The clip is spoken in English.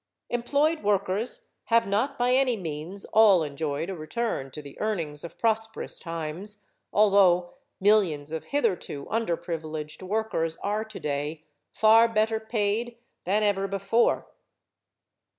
Employed workers have not by any means all enjoyed a return to the earnings of prosperous times, although millions of hitherto underprivileged workers are today far better paid than ever before.